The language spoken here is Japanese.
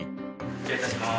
失礼いたします。